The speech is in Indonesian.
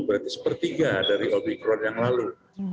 berarti sepertiga dari omikron yang lalu